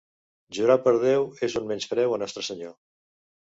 Jurar per Déu és un menyspreu a Nostre Senyor.